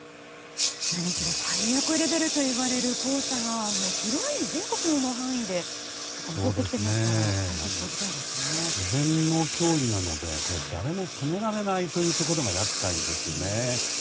何しろ最悪レベルといわれる黄砂が全国の範囲で来ていますから自然の脅威なので誰も止められないというのが厄介ですよね。